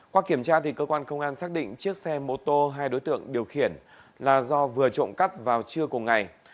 qua kiểm tra cơ quan công an xác định chiếc xe mô tô hai đối tượng điều khiển là do vừa trộm cắt vào trưa cùng ngày